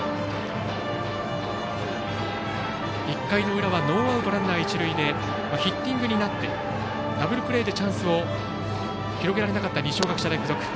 １回の裏はノーアウトランナー、一塁でヒッティングになってダブルプレーでチャンスを広げられなかった二松学舎大付属。